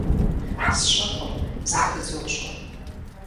СщӀэкъым, зэхызощӀэ.